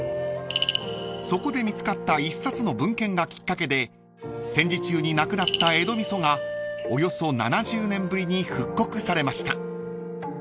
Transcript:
［そこで見つかった１冊の文献がきっかけで戦時中になくなった江戸味噌がおよそ７０年ぶりに復刻されました］